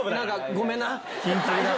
ごめんな！